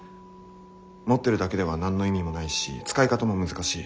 持ってるだけでは何の意味もないし使い方も難しい。